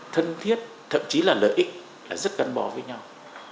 thân thiết thậm chí là lợi ích là rất gắn bó với nhau